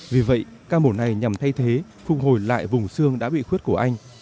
vì vậy ca mổ này nhằm thay thế phục hồi lại vùng xương đã bị khuyết của anh